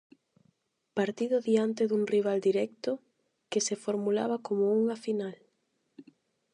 Partido diante dun rival directo que se formulaba como unha final.